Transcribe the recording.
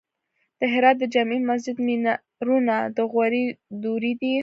د هرات د جمعې مسجد مینارونه د غوري دورې دي